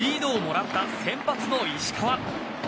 リードをもらった先発の石川。